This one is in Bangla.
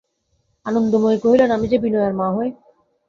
আনন্দময়ী কহিলেন, আমি যে বিনয়ের মা হই।